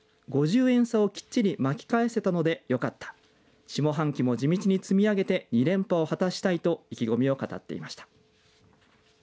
５０円差をきっちり巻き返せたのでよかった下半期も地道に積み上げて２連覇を果たしたいと意気込みを語っていました。